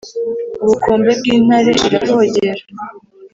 Ubukombe bw'intare iravogera